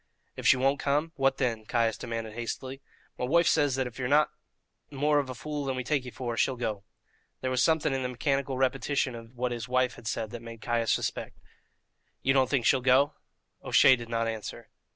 "If she won't come, what then?" Caius demanded hastily. "My woife says that if ye're not more of a fool than we take ye for, she'll go." There was something in the mechanical repetition of what his wife had said that made Caius suspect. "You don't think she'll go?" O'Shea did not answer.